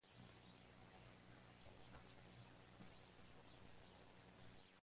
Esta última parece ser la opción más aceptable, por mejor documentada.